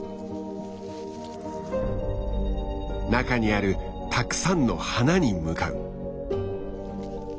中にあるたくさんの花に向かう。